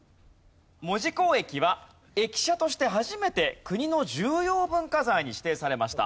門司港駅は駅舎として初めて国の重要文化財に指定されました。